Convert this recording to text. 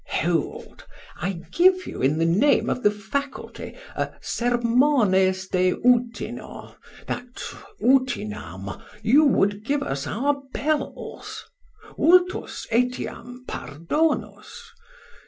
Hold, I give you in the name of the faculty a Sermones de Utino, that utinam you would give us our bells. Vultis etiam pardonos?